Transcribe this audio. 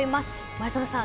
前園さん